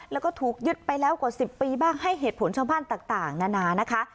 แล้วก็ถูกยึดไปแล้วกว่า๑๐ปีบ้างให้เหตุผลชาวบ้านต่างนานานะคะ